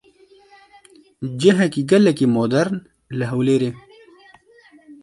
Cihekî gelekî modern li Hewlêrê.